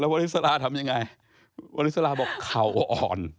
แล้ววลิสาราทำยังไงวลิสาราบอกเขาอ่อน